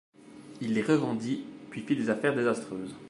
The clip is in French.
Il les revendit, puis fit des affaires désastreuses.